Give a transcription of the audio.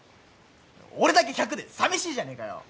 俺だけ１００でさみしいじゃねえかよ